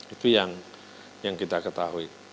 itu yang kita ketahui